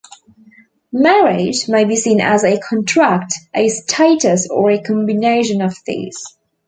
Marriage may be seen as a contract, a status, or a combination of these.